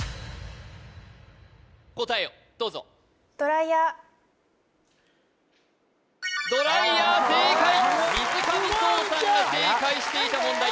答えをどうぞドライヤー正解水上颯さんが正解していた問題